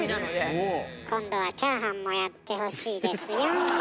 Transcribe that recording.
今度はチャーハンもやってほしいですよ。